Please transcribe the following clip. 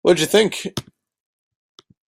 What did you think?